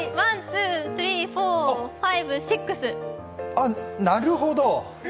あっ、なるほど。